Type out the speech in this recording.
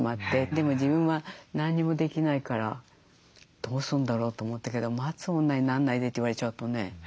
でも自分は何もできないからどうするんだろうと思ったけど「待つ女になんないで」って言われちゃうとね。